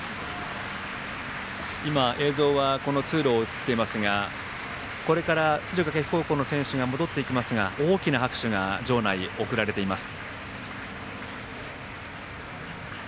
映像は通路が映っていますがこれから敦賀気比高校の選手が戻っていきますが大きな拍手が場内から送られています。